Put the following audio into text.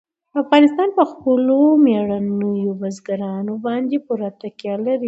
افغانستان په خپلو مېړنیو بزګانو باندې پوره تکیه لري.